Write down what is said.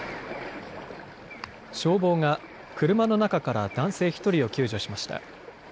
消防が車の中から男性１人を救助しました。